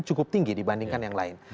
cukup tinggi dibandingkan yang lain